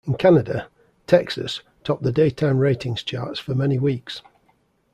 In Canada, "Texas" topped the daytime ratings charts for many weeks.